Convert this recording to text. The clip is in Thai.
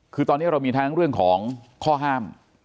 คือตอนนี้เรามีทั้งเรื่องของข้อห้าม